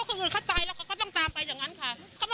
โมโหแทนเขาก็เห็นหน้าแล้วค่ะ